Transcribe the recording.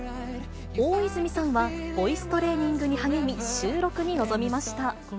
大泉さんはボイストレーニングに励み、収録に臨みました。